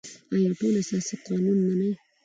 آیا ټول اساسي قانون مني؟